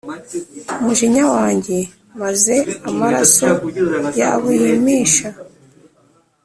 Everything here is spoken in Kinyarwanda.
Umujinya wanjye maze amaraso yabo yimisha